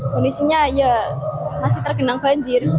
kondisinya ya masih tergenang banjir